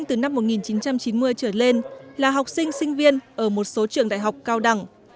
từ năm một nghìn chín trăm chín mươi trở lên là học sinh sinh viên ở một số trường đại học cao đẳng